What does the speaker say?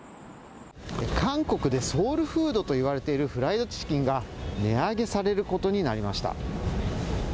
韓国でソウルフードといわれているフライドチキンが値上げされることになりました。